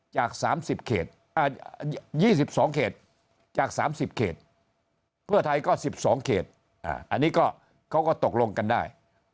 จาก๓๒เขตเพื่อไทยก็๑๒เขตอันนี้เขาก็ตกลงกันได้